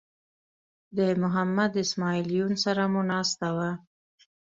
د محمد اسماعیل یون سره مو ناسته وه.